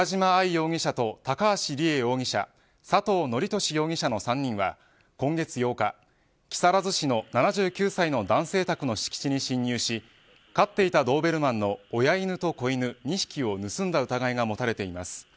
容疑者と高橋里衣容疑者佐藤徳寿容疑者の３人は今月８日、木更津市の７９歳の男性宅の敷地に侵入し飼っていたドーベルマンの親犬と子犬の２匹を盗んだ疑いが持たれています。